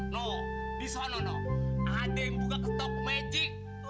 no di sana no ada yang buka kestok magic